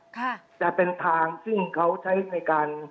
จะเป็นทางซึ่งเขาใช้ในการ